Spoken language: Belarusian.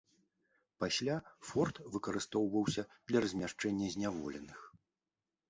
Пасля форт выкарыстоўваўся для размяшчэння зняволеных.